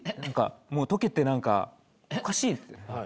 もう溶けて何かおかしいって。